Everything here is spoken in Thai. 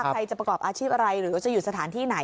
ใครจะประกอบอาชีพอะไรหรือจะอยู่สถานที่ไหน